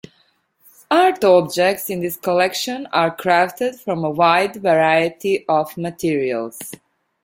Art objects in this collection are crafted from a wide variety of materials.